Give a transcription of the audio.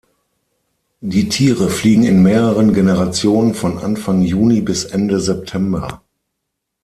Die Tiere fliegen in mehreren Generationen von Anfang Juni bis Ende September.